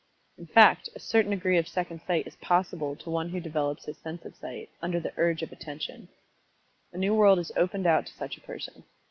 _In fact, a certain degree of second sight is possible to one who develops his sense of Sight, under the urge of Attention._ A new world is opened out to such a person.